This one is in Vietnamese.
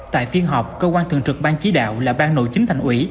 tại phiên họp cơ quan thường trực ban chí đạo là ban nội chính thành ủy